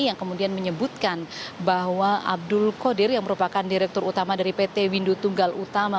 yang kemudian menyebutkan bahwa abdul qadir yang merupakan direktur utama dari pt windu tunggal utama